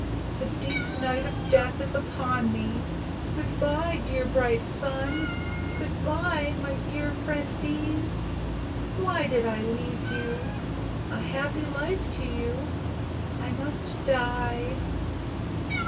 "The deep night of death is upon me. Good by, dear bright sun. Good by, my dear friend bees. Why did I leave you? A happy life to you. I must die."